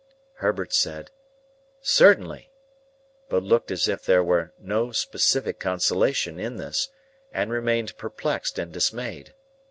Herbert said, "Certainly," but looked as if there were no specific consolation in this, and remained perplexed and dismayed.